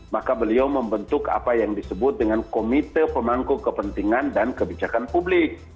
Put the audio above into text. maka beliau membentuk apa yang disebut dengan komite pemangku kepentingan dan kebijakan publik